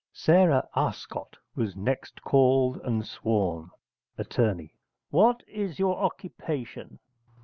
Sarah Arscott was next called and sworn. Att. What is your occupation?